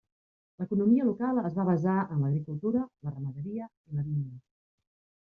L'economia local es va basar en l'agricultura la ramaderia i la vinya.